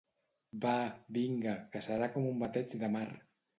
Vaaa, vinga, que serà com un bateig de mar.